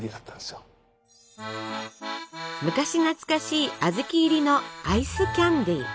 昔懐かしいあずき入りのアイスキャンデー。